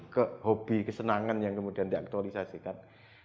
kehobi kesenangan yang kemudian diaktualisasikan